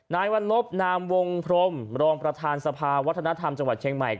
นายวัลลบนามวงพรมรองประธานสภาวัฒนธรรมจังหวัดเชียงใหม่